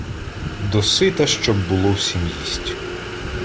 Досита щоб було всім їсть.